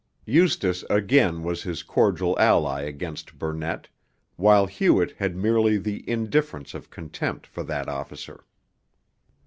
Eustace again was his cordial ally against Burnett, while Hewett had merely the indifference of contempt for that officer.